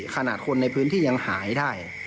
ขนาดคนในพื้นที่ยังหายได้